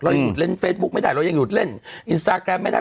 หยุดเล่นเฟซบุ๊กไม่ได้เรายังหยุดเล่นอินสตาแกรมไม่ได้